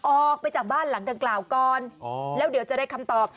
ออกไปจากบ้านหลังดังกล่าวก่อนแล้วเดี๋ยวจะได้คำตอบ